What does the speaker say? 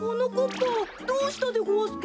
ぱどうしたでごわすか？